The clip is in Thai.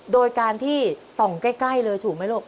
โดยการที่ส่องใกล้เลยถูกไหมลูก